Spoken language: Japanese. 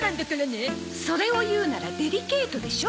それを言うならデリケートでしょ。